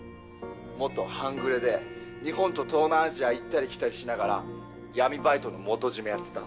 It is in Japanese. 元半グレで日本と東南アジア行ったり来たりしながら闇バイトの元締めやってた。